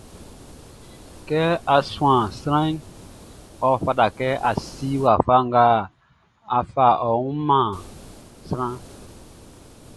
Kɛ á súan sranʼn, ɔ fata kɛ a si wafa nga á fá ɔ wun mánʼn.